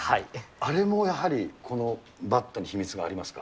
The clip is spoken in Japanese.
あれもやはり、このバットに秘密がありますか。